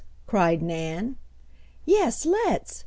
cried Nan. "Yes, let's!"